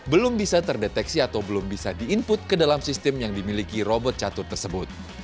belum bisa terdeteksi atau belum bisa di input ke dalam sistem yang dimiliki robot catur tersebut